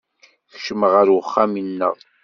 Kecmeɣ ɣer uxxam-nneɣ.